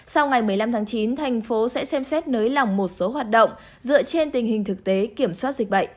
sau ngày một mươi năm tháng chín thành phố sẽ xem xét nới lỏng một số hoạt động dựa trên tình hình thực tế kiểm soát dịch bệnh